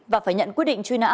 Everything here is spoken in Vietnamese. và phải nhận quyết định truy nã